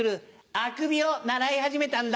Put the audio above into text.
『あくび』を習い始めたんだ。